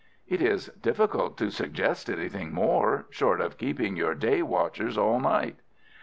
"It is difficult to suggest anything more—short of keeping your day watchers all night."